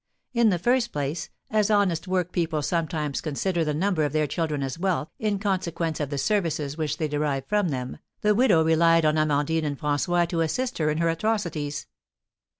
In the first place, as honest work people sometimes consider the number of their children as wealth, in consequence of the services which they derive from them, the widow relied on Amandine and François to assist her in her atrocities.